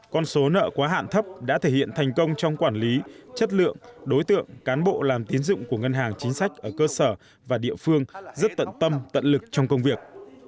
con số nợ quá hạn thấp đã thể hiện thành công trong quản lý chất lượng đối tượng cán bộ làm tiến dụng của ngân hàng chính sách ở cơ sở và địa phương rất tận tâm tận lực trong công việc